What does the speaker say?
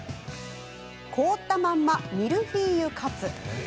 凍ったまんまミルフィーユカツ。